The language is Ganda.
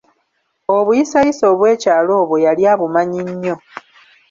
Obuyisayisa obwekyalo obwo yali abumanyi nnyo.